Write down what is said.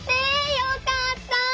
よかった！